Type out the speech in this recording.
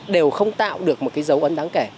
đều không tạo được một cái dấu ấn đáng kể